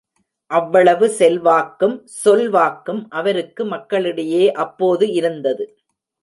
அவ்வளவு செல்வாக்கும் சொல்வாக்கும் அவருக்கு மக்களிடையே அப்போது இருந்தது.